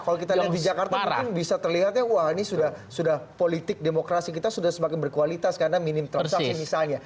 kalau kita lihat di jakarta mungkin bisa terlihatnya wah ini sudah politik demokrasi kita sudah semakin berkualitas karena minim transaksi misalnya